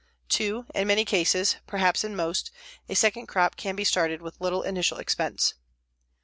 2. In many cases, perhaps in most, a second crop can be started with little initial expense.